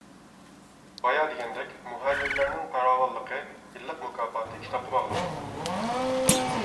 بايا دېگەندەك مۇھەررىرلەرنىڭ پاراۋانلىقى، يىللىق مۇكاپاتى كىتابقا باغلىق.